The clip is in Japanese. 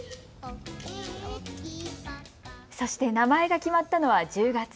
そして名前が決まったのは１０月。